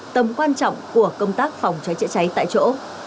tầm quan trọng của công tác phòng cháy chữa cháy tại chỗ